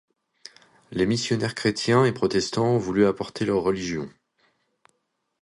Les missionnaires chrétiens et protestants ont voulu apporter leur religion.